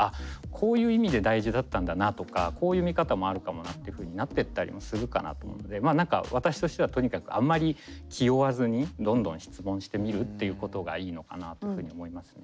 こういう意味で大事だったんだなとかこういう見方もあるかもなっていうふうになってったりもするかなと思うので何か私としてはとにかくあんまりのかなというふうに思いますね。